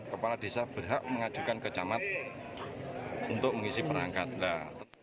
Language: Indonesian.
kepala desa berhak mengajukan kecamat untuk mengisi perangkat